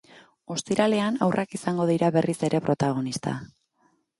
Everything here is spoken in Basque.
Ostiralean, haurrak izango dira berriz ere protagonista.